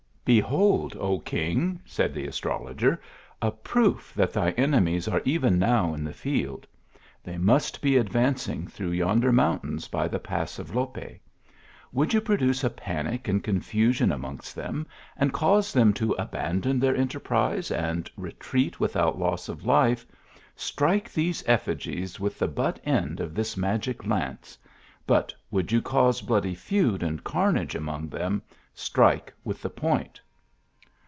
" Behold, O king," said the astrologer, " a proof that thy enemies are even now in the field. They must be advancing through yonder mountains by the pass of Lope. Would you produce a panic and confusion amongst them, and cause them to abandon their enterprise and retreat without loss of life, strike these effigies with the butt end of this magic lance ; but would you cause bloody feud and carnage among them, strike with the point."